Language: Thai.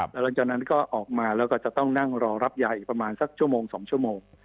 แล้วหลังจากนั้นก็ออกมาแล้วก็จะต้องนั่งรอรับยาอีกประมาณสักชั่วโมง๒ชั่วโมง